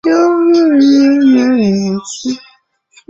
希格斯玻色子的出现对于夸克星的稳定结构有重要的影响。